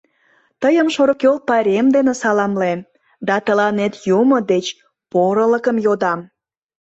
Тыйым шорыкйол пайрем дене саламлем да тыланет юмо деч порылыкым йодам.